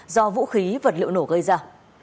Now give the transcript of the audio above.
do vũ khí vật liệu nổ gây ra